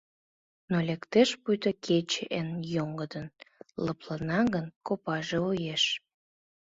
Но лектеш пуйто кече эн йоҥгыдын, Лыплана гын копаже вуеш.